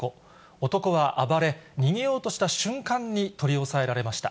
男は暴れ、逃げようとした瞬間に取り押さえられました。